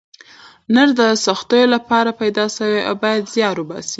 نر د سختیو لپاره پیدا سوی او باید زیار وباسئ.